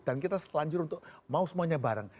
dan kita terlanjur untuk mau semuanya bareng